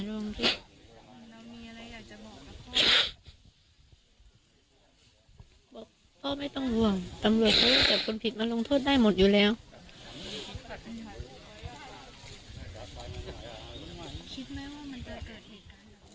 คิดไหมว่ามันจะเกิดเหตุการณ์